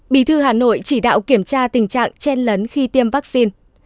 bí thư hà nội chỉ đạo kiểm tra tình trạng chen lấn khi tiêm vaccine